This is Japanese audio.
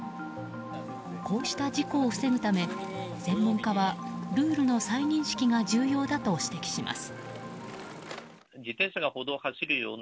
こうした事故を防ぐため専門家はルールの再認識が重要だと指摘します。